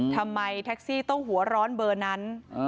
แท็กซี่ต้องหัวร้อนเบอร์นั้น